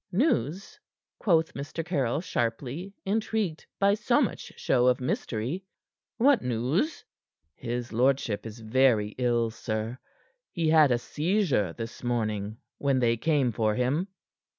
"News?" quoth Mr. Caryll sharply, intrigued by so much show of mystery. "What news?" "His lordship is very ill, sir. He had a seizure this morning when they came for him."